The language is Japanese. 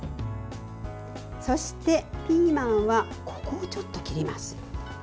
そしてピーマンはここをちょっと切ります。